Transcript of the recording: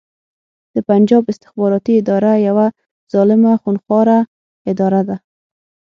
د پنجاب استخباراتې اداره يوه ظالمه خونښواره اداره ده